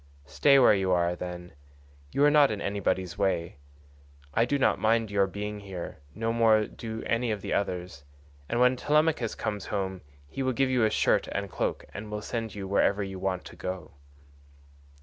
Stay where you are, then; you are not in anybody's way; I do not mind your being here, no more do any of the others, and when Telemachus comes home he will give you a shirt and cloak and will send you wherever you want to go."